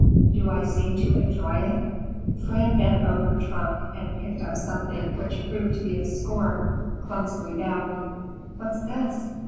Do I seem to enjoy it?" Fred bent over her trunk and picked up something which proved to be a score, clumsily bound. "What's this?